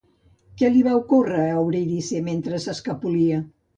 Què li va ocórrer a Eurídice mentre s'escapolia?